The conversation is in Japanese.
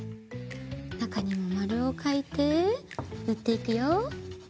なかにもまるをかいてぬっていくよ。